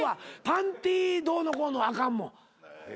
パンティどうのこうのあかんもん。